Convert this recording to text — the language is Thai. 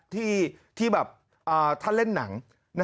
ที่แบบท่านเล่นหนัง